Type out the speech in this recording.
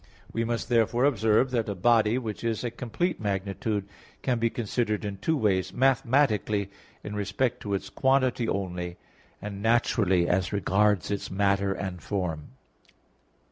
We must therefore observe that a body, which is a complete magnitude, can be considered in two ways; mathematically, in respect to its quantity only; and naturally, as regards its matter and form.